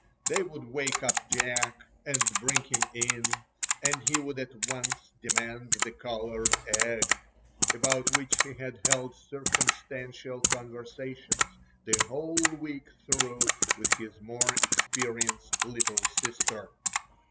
They would wake up Jack and bring him in, and he would at once demand the coloured egg, about which he had held circumstantial conversations the whole week through with his more experienced little sister.